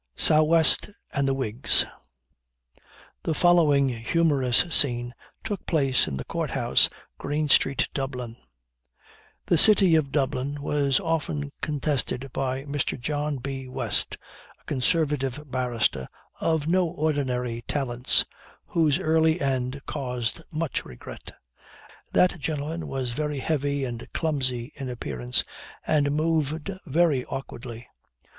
SOW WEST AND THE WIGS. The following humorous scene took place in the Court house, Green street, Dublin: The city of Dublin was often contested by Mr. John B. West a conservative barrister of no ordinary talents, whose early end caused much regret. That gentleman was very heavy and clumsy in appearance, and moved very awkwardly.